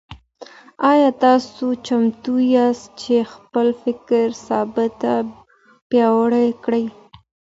آيا تاسو چمتو ياست چي خپل فکري ثبات پياوړی کړئ؟